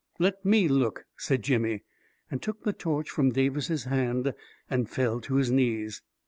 " Let me look," said Jimmy, and took the torch from Davis's hand and fell to his knees.